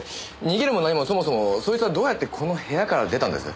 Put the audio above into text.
逃げるも何もそもそもそいつはどうやってこの部屋から出たんです？